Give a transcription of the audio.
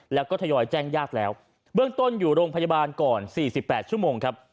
แล้วก็ทยอยแจ้งญาติแล้วเบื้องต้นอยู่โรงพยาบาลก่อน๔๘ชั่วโมงครับ